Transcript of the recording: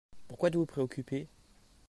Pourquoi êtes-vous préoccupé ?